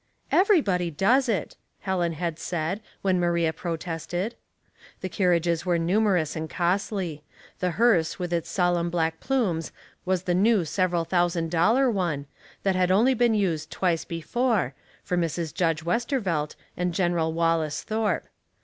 ''^Everybody does it," Helen had said, when Maria protested. The carriages were numerous and costly ; the hearse with its solemn black plumes was the new several thousand dollar one, Debts and Doubts. 103 that had only been used twice before, for Mrs. Judge Westervelt and General Wallace Thorpe.